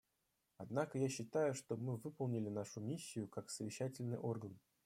Однако я считаю, что мы выполнили нашу миссию как совещательный орган.